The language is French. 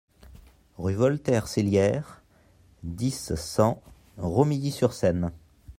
Rue Voltaire-Sellières, dix, cent Romilly-sur-Seine